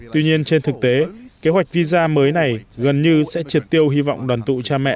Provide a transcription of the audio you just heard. tuy nhiên trên thực tế kế hoạch visa mới này gần như sẽ triệt tiêu hy vọng đoàn tụ cha mẹ